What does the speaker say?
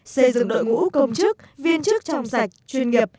xây dựng đội ngũ công chức viên chức trong sạch chuyên nghiệp